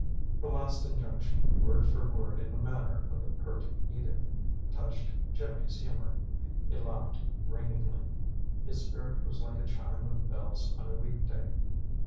This last injunction, word for word in the manner of the pert Edith, touched Jimmy's humor. He laughed ringingly. His spirit was like a chime of bells on a week day.